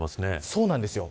そうなんですよ